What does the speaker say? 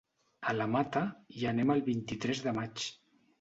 A la Mata hi anem el vint-i-tres de maig.